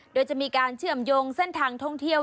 โดยจะมีการเชื่อมโยงเส้นทางท่องเที่ยว